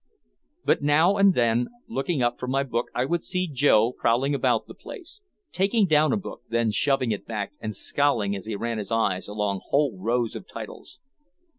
But now and then looking up from my book I would see Joe prowling about the place, taking down a book, then shoving it back and scowling as he ran his eyes along whole rows of titles.